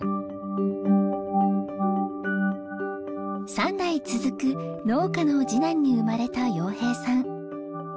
三代続く農家の次男に生まれた洋平さん。